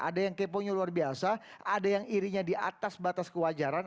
ada yang keponya luar biasa ada yang irinya di atas batas kewajaran